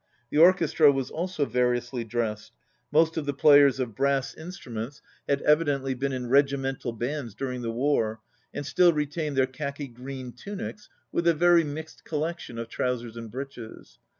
The orchestra was also variously dressed. Most of the players of brass instruments 91 had evidently been in regimental bands during the war, and still retained their khaki green tunics with a very mixed collection of trousers and breeches.